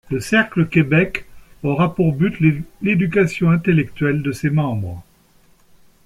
Le Cercle Québec aura pour but l’éducation intellectuelle de ses membres.